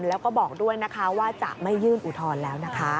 แล้วก็บอกด้วยนะคะว่าจะไม่ยื่นอุทธรณ์แล้วนะคะ